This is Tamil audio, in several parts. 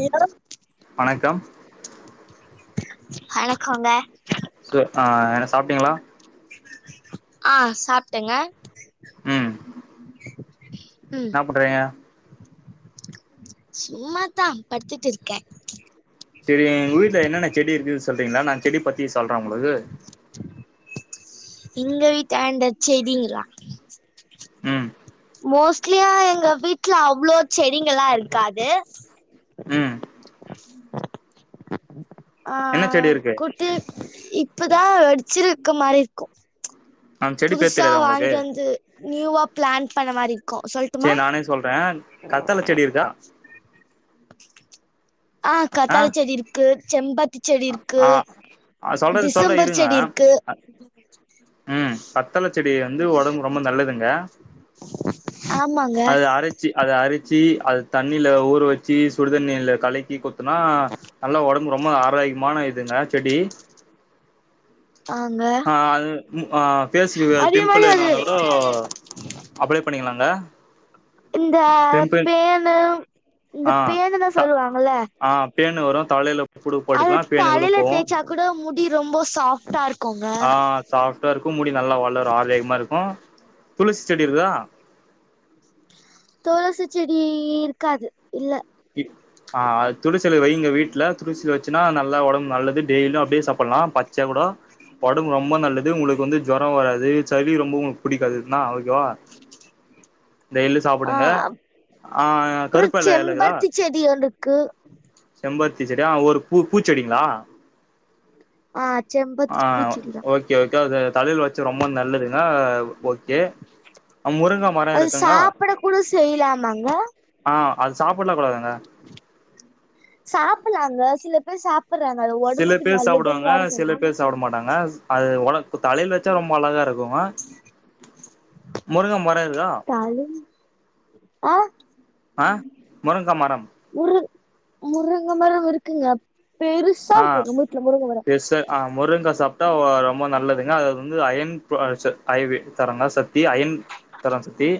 ஹோ வணக்கம் ஆணக்கோங்க சோ என்ன சாப்டேட்டீங்களா ஆ சாப்ட்டேங்க ம் ம் என்ன பண்றீங்க சும்மாதா படுத்துட்டு இருக்கே செரிங் உங்க வீட்ல என்னென்ன செடி இருக்குது சொல்றீங்ளா நா செடி பத்தி சொல்ற உங்ளுக்கு எங்க வீட்டாண்ட செடிங்ளா ம் மோஸ்ட்லியா எங்க வீட்ல அவ்ளோ செடிங்கலா இர்க்காது ம் ஆ என்ன செடி இருக்கு குட் டு இப்ப தா வெடிச்சிருக்க மாரி இருக்கு அந்த செடி பேர் புதுசா தெரியாதா உங்களுக்கு வாங்கிட்டு வந்து நியூவா பிளான் பண்ண மாரி இருக்கு சொல்ட்டுமா செரி நானே சொல்றே கத்தால செடி இருக்கா ஆ கத்தாழ செடி இருக்கு செம்பத் செடி இருக்கு ஆ ஆ, சொல்றது சொல்றே திசம்பர் இருங்க செடி இருக்கு அ, ம் கத்தழ செடி வந்து ஒடம்புக் ரொம்ப நல்லதுங்க ஆமாங்க அது அரச் அத அரிச்சி அத் தண்ணில ஊற வச்சி சுடுதண்ணியில கலக்கி குத் தினா நல்லா ஒடம்பு ரொம்ப ஆரோக்ய்மான இதுங்க செடி [inaudible] ஆ ங்க அ அது ஆ ஃபேசுகு பிம்பிள் மாரி அது என்னவந்தா கூட அப்ளே பண்ணிக்லாங்க இந்த பேனு இந்த ஆ பேனுன்னு சொல்லுவாங்கல்ல ஆ பேனு வரு தலையில புடு அது போட்டுக்லா பேனுகிளு தலையில போவு தேய்ச்சா கூட முடி ரொம்ப சாஃப்ட்டா இருக் ஆ சஃப்ட்டா இருக்கு முடி நல்லா வளரு ஆரோகிமா இருக்கு துளசி செடி இருக்தா தொளசி செடி இருக்காது இல்ல ஆ துளசில வைங்க வீட்ல துளசி வச்சினா நல்லா ஒடம்புக் நல்லது டெய்லியு அப்டே சாப்பில்லா பச்ச கூடோ ஒடம்புக் ரொம்ப நல்லது உங்ளுக்கு வந்து ஜொர வராது சளி ரொம்ப உங்ளுக் புடிக்காது ண்ணா ஓகேவா டெய்லி ஆ சாப்புடுங்க ஆ அப்றோ கருப்பலை இலக்குதா செம்பருத்தி செடி ஒன்ருக்கு செம்பர்த்தி செடி அ ஒரு பூ பூச்செடிங்ளா ஆ செம்பத்தி பூச்சிடிதா இங்க வெக்காது தலில வச் ச ரொம்ப நல்லதுங்க ஓகே முருங்க மர இருக்குங்கா செய்லாமாங்க ஆ அது சாப்பிட்லா கூடாதுங்க சாப்பிலாங்க சில பேர் சாப் அப்புறே அது சில ஒடம்புக்கு பேர் நல்லதுன் சாப்பிடுவாங்க சில தான பேர் சாப்பிட சொன் மாட்டாங்க அது ஒனக் தலையில வச்சா ரொம்ப அழகா இருக்குங்க முருங்க மர இர்க்கா தல ஆ ஆ முருங்கா மரம் முரு முருங்க மரம் இருக்குங்க பெருச் ஆ பேர்ச அ முருங்கா சாப்டா ஒ ரொம்ப நல்லதுங்க அது வந்து அயன் போ சு ஐவி தரங்க சத்தி அயன் தர சத்தி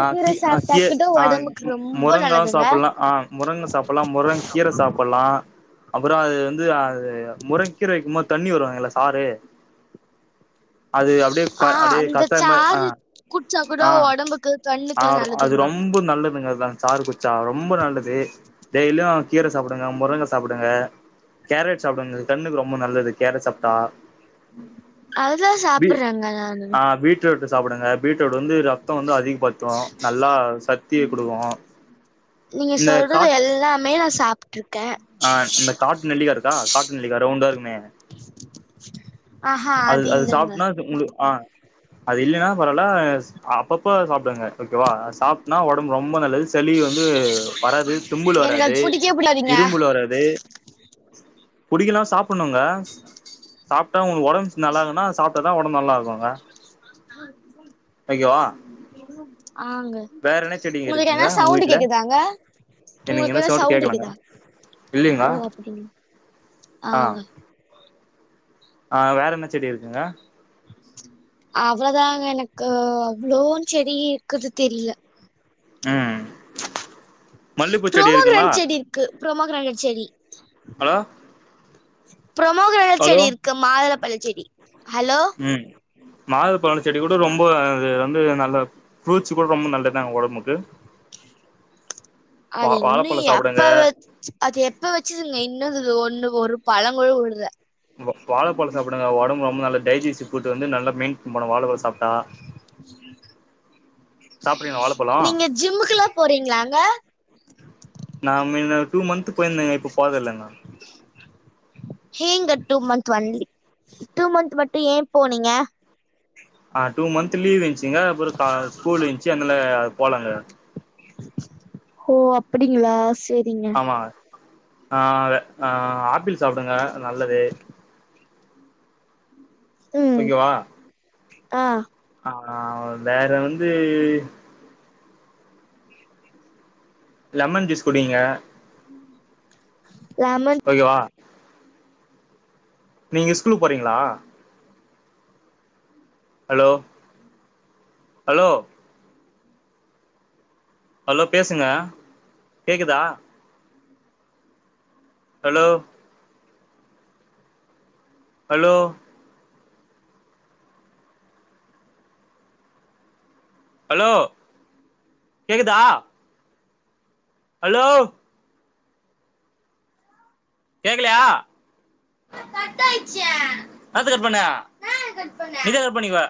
ஆ கீ அ சாப்ட்டா கீ கூட ஆ ஒடம்புக்கு ரொம்ப முருங்காவு நல்லதுங்க சாப்பில்லா ஆ முருங்க சாப்புட்லா முருங்க கீர சாப்புட்லா அப்புறோ அது வந்து ஆ முறங் கீர வைக்கும்போ தண்ணி வருவாங்கல்ல சாரு அது அப்டியே பா ஆ அப்டியே அந்த கஸாய மாரி ஆ சாறு குடிச்சா கூட ஆ ஒடம்புக்கு ஆ கண்ணுக்குலா அது நல்லதுன்னுவாங்க ரொம்ப நல்லதுங்க அதா சாரு கு சா ரொம்ப நல்லது டெய்லியு கீர சாப்புடுங்க முருங்க சாப்புடுங்க கேரட் சாப்புடுங்க அது கண்ணுக்கு ரொம்ப நல்லது கேரட் சாப் கா அதுதா பீ சாப்புட்றேங்க நானு ஆ பீ ட்ருட் சாப்புடுங்க பீட்ரூட் வந்து ரத்தொ வந்து அதிகப்பட் த்து நல்லா சத்திய குடுக்கு நீங்க இந்த கா சொல்றது எல்லாமே நா சா ஆ அந்த காட்டு நெல்லிக்கா இருக்கா காட்டு நெல்லிக்கா ரவுண்டா இருக்குமே [unintelligible] அது அது சாப்னா அது உங்களு ஆ அது இல்லைன்னா பரவால ச் அப்பப்ப சாப்டுங்க ஓகேவா சாப்டனா ஒடம்பு ரொம்ப நல்லது சளி வந்து வராது தும்பல் எனக்கு வராது அது புடிக்கவே புடிக்காதுங்க இரும்புல் வராது கபுடிக்கலா சாப்பணுங்க ச் சாப்ட்டா உங்களுக்கு ஒடம்பு நல்லா இல்லனா சாப் டா தா ஒடம்பு நல்லா இருக்குங்க [inaudible] ஆங்க வேற என்ன செடிங்க உங்களுக்கு இருக்குங்க எதா உங்க சவுண்டு வீட்ல கேக்குதாங்க என்னங்க உங்களுக்கு என்ன ஏதா சொல்ட்டு சவுண்ட் கேக்கலங்க இக்குதா இல்லைங்களா ஓ அப்டிங்குளா ஆ ஆங்க ஆ வேற என்ன செடி இருக்குங்க அவ்வதா எனக்கு அவ்ளோ செடி இருக்குது தெரில ஆ ப்ரோமோ கிராண் செடி இருக்கு ப்ரோமோ கிராணட் செடி ஹலோ ப்ரோமோகரேணட் ஹலோ செடி இருக்கு மாதள பழ செடி ஹலோ மாதளப்பழ செடி கூட ரொம்ப அது வந்து நல்ல ஃப்ரூட்ஸ் கூட ரொம்ப நல்லதாங்க ஒடம்புக்கு வா அது இன்னு வாழப்பழ சாப்டுங்க எப்ப வ அது எப்ப வச்சதுங்க இன்னு அதுது ஒண்ணு ஒரு பழங்கூட வுழுலா நிங்க வாழைப்பழ சாப்டுங்க ஒடம்பு ரொம்ப நல் டெய்ஜிசி ஃபுட்டு வந்து நல்லா மெயின்ட் பண்னு வாழ பழ சாப்ட்டா சாப்ட்றீங்களா வாழைப்பழம் நீங்க ஜிம்முக்குல்லா போறீங்களாங்க நா மெ னு டூ மந்த்து போயிருந்தேங்க இப்ப போரது இல்லங்க ஏங்க டூ மந்த் வந்தி டூ மந்த் மட்டு ஏ போனீங்க ஆ டூ மந்த் லீவ் இந்ச்சிங்க அப்புற கா ஸ்கூல் இந்ச்சி அனால போலாங்க ஹோ அப்டிங்களா செரிங் ஆ ஆ ஆ ஆப்பிள் சாப்டுங்க நல்லது ம் ஓகேவா ஆ ஆ வேற வந்து லமன் ஜூஸ் குடிங்கா லமன் ஓகேவா நீங்க ஸ்கூல் போறீங்களா ஹலோ ஹலோ ஹலோ பேசங்க கேக்குதா ஹலோ ஹலோ ஹலோ கேக்குதா ஹலோ கேக்கலையா ன்னாத்துக்கு கட் பண்ண நீதா கட்டு பண்ணிக்வ